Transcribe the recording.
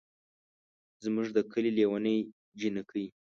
زمونږ ده کلي لېوني جينکۍ